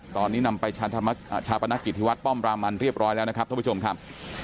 ตอนนี้นำไปชาปนกิจที่วัดป้อมรามันเรียบร้อยแล้วนะครับท่านผู้ชมครับ